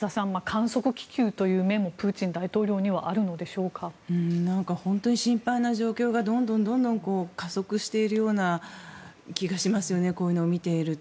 観測気球という面もプーチン大統領には本当に心配な状況がどんどん加速しているような気がしますよね。